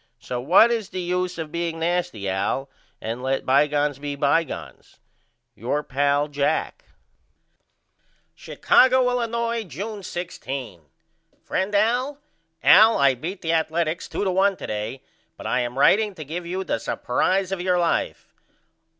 So what is the use of me being nasty Al? And let bygones be bygones. Your pal, JACK. Chicago, Illinois, June 16. FRIEND AL: Al I beat the Athaletics 2 to 1 to day but I am writeing to you to give you the supprise of your life.